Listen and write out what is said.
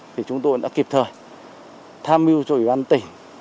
thì chúng tôi đã kịp thời tham mưu cho ủy ban tỉnh